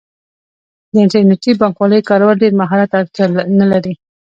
د انټرنیټي بانکوالۍ کارول ډیر مهارت ته اړتیا نه لري.